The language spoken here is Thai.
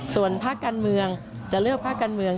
ส่วนภาคการเมืองจะเลือกภาคการเมือง